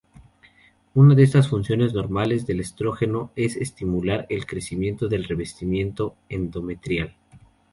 Una de las funciones normales del estrógeno es estimular el crecimiento del revestimiento endometrial.